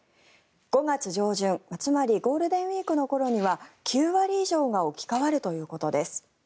５月上旬つまりゴールデンウィークの頃には９割以上が置き換わるということです。